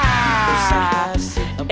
eh eh ah